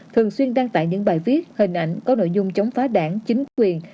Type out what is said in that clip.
thường xuyên đăng tải những bài viết hình ảnh có nội dung chống phá đảng chính quyền